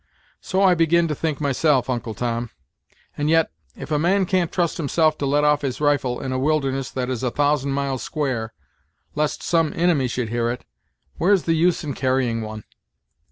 "So I begin to think myself, Uncle Tom; and yet, if a man can't trust himself to let off his rifle in a wilderness that is a thousand miles square, lest some inimy should hear it, where's the use in carrying one?"